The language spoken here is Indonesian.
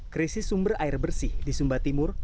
krisis sumber air bersih di sumba timur